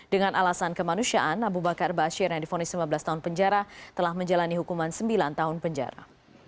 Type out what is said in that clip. dengan alasan kemanusiaan abu bakar bashir yang difonis lima belas tahun penjara telah menjalani hukuman sembilan tahun penjara